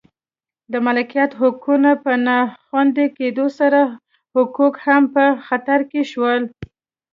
د مالکیت حقونو په نا خوندي کېدو سره حقوق هم په خطر کې شول